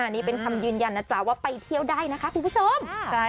นี่เป็นคำยืนยันนะจ๊ะว่าไปเที่ยวได้นะคะคุณผู้ชม